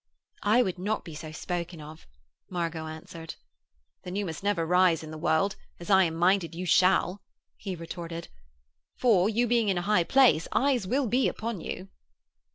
'I would not be so spoken of,' Margot answered. 'Then you must never rise in the world, as I am minded you shall,' he retorted, 'for, you being in a high place, eyes will be upon you.'